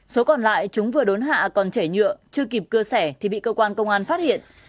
số còn lại chúng vừa đốn hạ còn chảy nhựa chưa kịp cưa xẻ thì bị cơ quan công an phát hiện